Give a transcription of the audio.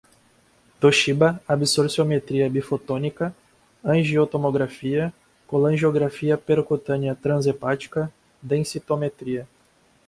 Toshiba, absorciometria bifotônica, angiotomografia, colangiografia percutânea trans-hepática, densitometria